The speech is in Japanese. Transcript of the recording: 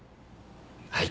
はい。